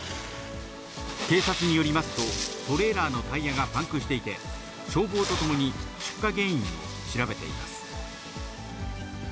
警察によりますと、トレーラーのタイヤがパンクしていて、消防と共に出火原因を調べています。